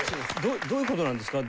どどういう事なんですか？